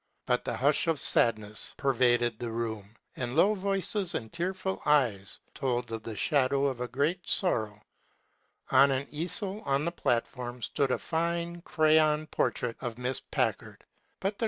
But the husib of Woman's Council Table. YULE TIDE EVERGREENS. aadnegs pervaded the room and low voices and tearfnl eyes told of the shadow of a great sorrow. On an easel on the platform stood a fine crayon portrait of Miss Packard, but the